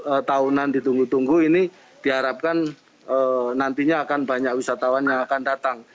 jadi kita sudah menunggu tunggu ini diharapkan nantinya akan banyak wisatawan yang akan datang